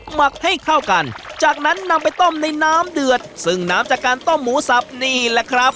หมักให้เข้ากันจากนั้นนำไปต้มในน้ำเดือดซึ่งน้ำจากการต้มหมูสับนี่แหละครับ